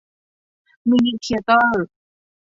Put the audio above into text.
มินิเธียเตอร์